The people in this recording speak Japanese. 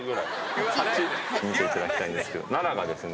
見ていただきたいんですけど奈良がですね。